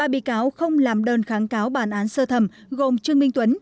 ba bị cáo không làm đơn kháng cáo bản án sơ thẩm gồm trương minh tuấn